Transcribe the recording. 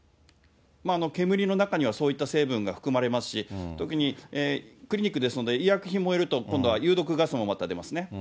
煙の中にはそういった成分が含まれますし、特にクリニックですので、医薬品燃えると今度は有毒ガスも出ますね。